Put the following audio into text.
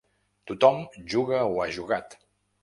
Tothom juga o ha jugat.